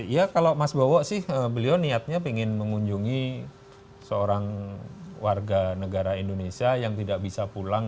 ya kalau mas bowo sih beliau niatnya ingin mengunjungi seorang warga negara indonesia yang tidak bisa pulang